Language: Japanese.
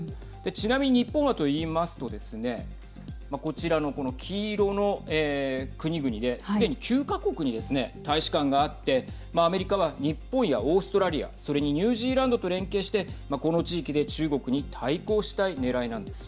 ちなみに日本はといいますとですねこちらの黄色の国々で、すでに９か国にですね大使館があって、アメリカは日本やオーストラリアそれにニュージーランドと連携してこの地域で中国に対抗したいねらいなんです。